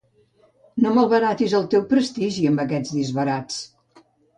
No malbaratis el teu prestigi amb aquests disbarats.